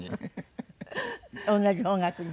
同じ方角に？